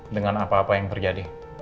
dengan apa apa yang terjadi